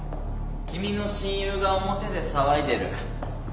君の親友が表で騒いでる。